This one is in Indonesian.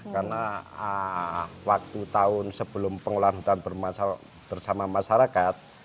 karena waktu tahun sebelum pengelolaan hutan bersama masyarakat